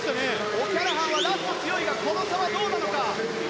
オキャラハンはラストに強いがこの差は、どうなのか？